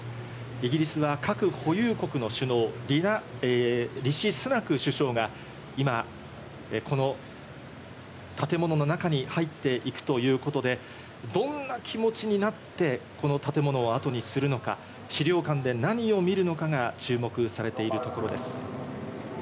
イギリスは核保有国の首脳、リシ・スナク首相が今、この建物の中に入っていくということで、どんな気持ちになって、この建物をあとにするのか、資料館で何を見るのかが注目されているところです。